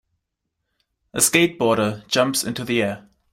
a skateboarder jumps into the air